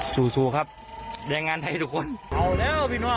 สู้ครับแรงงานไทยทุกคน